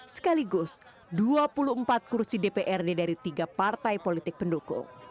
sekaligus dua puluh empat kursi dprd dari tiga partai politik pendukung